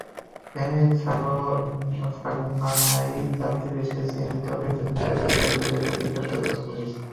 ফেনীর ছাগলনাইয়ায় যাত্রীবেশে সিএনজিচালিত অটোরিকশা ছিনতাইয়ের চেষ্টার অভিযোগে একজনকে গ্রেপ্তার করেছে পুলিশ।